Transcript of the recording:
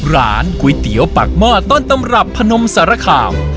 ร้านก๋วยเตี๋ยวปากหม้อต้นตำรับพนมสารคาม